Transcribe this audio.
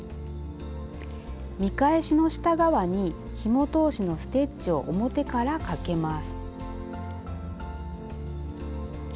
見返しの下側にひも通しのステッチを表からかけます。